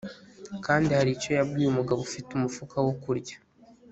Kandi hari icyo yabwiye umugabo ufite umufuka wo kurya